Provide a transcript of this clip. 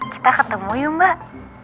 kita ketemu yuk mbak